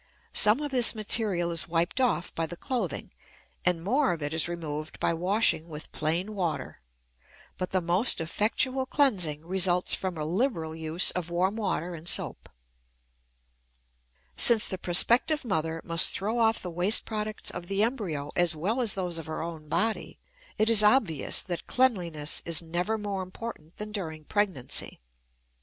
Some of this material is wiped off by the clothing, and more of it is removed by washing with plain water; but the most effectual cleansing results from a liberal use of warm water and soap. Since the prospective mother must throw off the waste products of the embryo as well as those of her own body, it is obvious that cleanliness is never more important than during pregnancy.